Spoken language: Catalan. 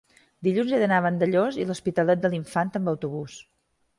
dilluns he d'anar a Vandellòs i l'Hospitalet de l'Infant amb autobús.